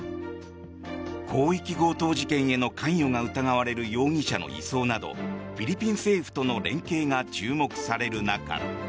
広域強盗事件への関与が疑われる容疑者の移送などフィリピン政府との連携が注目される中。